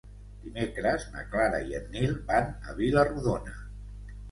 Dimecres na Clara i en Nil van a Vila-rodona.